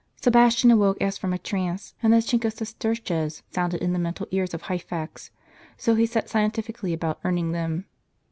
Sebastian awoke as from a trance; and the chink of sesterces sounded in the mental ears of Hyphax ; so he set scientifically about earning them.